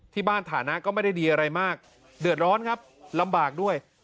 ฐานะก็ไม่ได้ดีอะไรมากเดือดร้อนครับลำบากด้วย